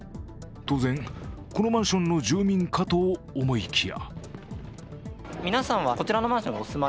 当然、このマンションの住民かと思いきや。